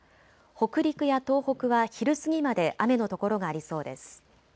北陸や東北は昼過ぎまで雨の所がありそうです。